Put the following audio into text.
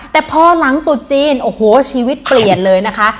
แต่พอหลังตุดจีนโอ้โหชีวิตเปลี่ยนเลยนะคะ